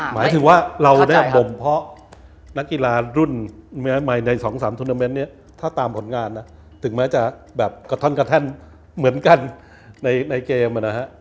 หมายถึงว่าเราบ่มเพาะนักกีฬารุ่นใน๒๓ทุนเตอร์เมนต์นี้ถ้าตามผลงานถึงแม้จะกระท่อนกระแทนเหมือนกันในเกม